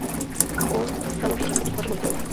ও স্যালোমির ব্যাপারে কিছু কথা বলেছিল আমাকে।